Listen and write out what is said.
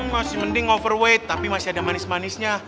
masih mending overweight tapi masih ada manis manisnya